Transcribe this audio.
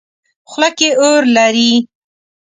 خوله کې اور لري.